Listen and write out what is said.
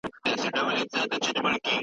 تیاره د خوب په څېر له ده سره غځېدلې وه.